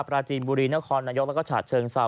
ปราจีนบุรีนครนายกแล้วก็ฉาเชิงเซา